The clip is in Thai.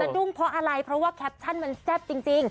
ดุ้งเพราะอะไรเพราะว่าแคปชั่นมันแซ่บจริง